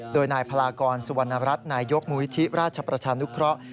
โดยนายพลากรสุวรรณรัฐนายยกมูลิธิราชประชานุเคราะห์